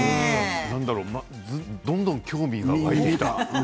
なんだろうどんどん興味が湧いてきた。